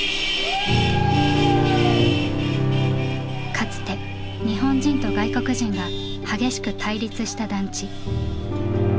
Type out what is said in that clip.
かつて日本人と外国人が激しく対立した団地。